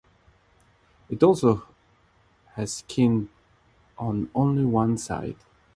It also has skin on only one side.